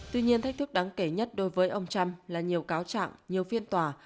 tuy nhiên thách thức đáng kể nhất đối với ông trump là nhiều cáo trạng nhiều phiên tòa